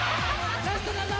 「ラストだぞ！」